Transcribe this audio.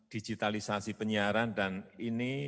digitalisasi penyiaran dan ini